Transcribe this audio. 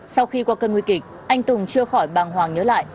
sau khi qua cơn nguy kịch anh tùng chưa khỏi bàng hoàng nhớ lại